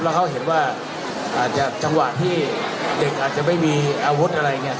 แล้วเขาเห็นว่าอาจจะจังหวะที่เด็กอาจจะไม่มีอาวุธอะไรอย่างนี้